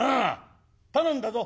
頼んだぞ」。